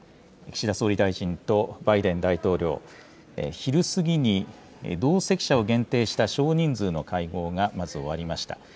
岸田総理大臣とバイデン大統領、昼過ぎに同席者を限定した少人数の会合がまず終わりました。